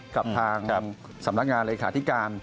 กับทางสำนักงานเลขาธิการ